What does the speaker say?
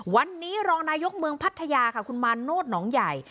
วันนี้รองนายกเมืองพัทยาค่ะคุณมาโนธหนองใหญ่